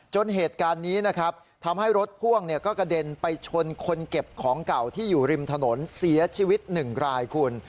จนเหตุการณ์นี้นะครับทำให้รถพ่วงก็กระเด็นไปชนคนเก็บของเก่าที่อยู่ริมถนนเสียชีวิต๑รายคุณ